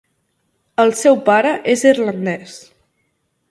El seu pare és irlandès.